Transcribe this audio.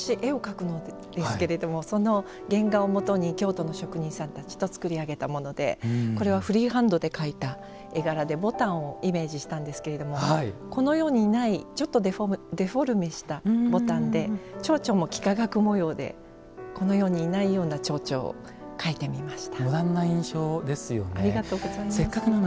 私絵を描くのですけれどもその原画をもとに京都の職人さんたちと作り上げたものでこれはフリーハンドで描いた絵柄で牡丹をイメージしたんですけれどもこの世にないちょっとデフォルメした牡丹でちょうちょうも幾何学模様でこの世にいないようなちょうちょうを描いてみました。